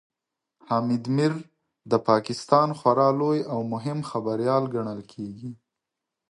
حامد میر د پاکستان خورا لوی او مهم خبريال ګڼل کېږي